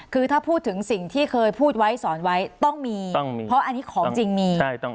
คือถ้าพูดถึงสิ่งที่เคยพูดไว้สอนไว้ต้องมีต้องมีเพราะอันนี้ของจริงมี